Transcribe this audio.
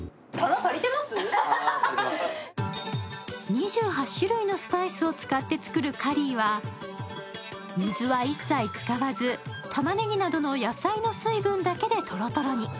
２８種類のスパイスを使って作る、カリーは、水を一切使わずたまねぎなどの野菜の水分だけでとろとろに。